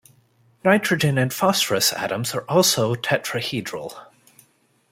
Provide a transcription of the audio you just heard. Nitrogen and phosphorus atoms are also tetrahedral.